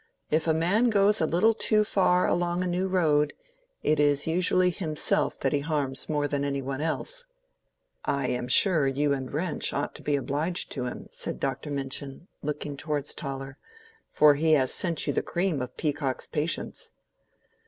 If a man goes a little too far along a new road, it is usually himself that he harms more than any one else." "I am sure you and Wrench ought to be obliged to him," said Dr. Minchin, looking towards Toller, "for he has sent you the cream of Peacock's patients."